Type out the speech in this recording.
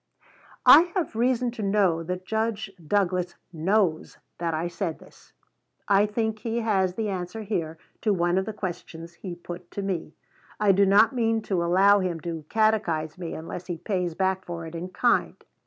I have reason to know that Judge Douglas knows that I said this. I think he has the answer here to one of the questions he put to me. I do not mean to allow him to catechize me unless he pays back for it in kind.